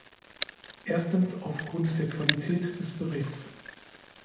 Erstens aufgrund der Qualität des Berichts.